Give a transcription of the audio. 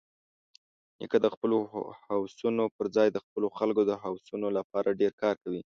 نیکه د خپلو هوسونو پرځای د خپلو خلکو د هوسونو لپاره ډېر کار کوي.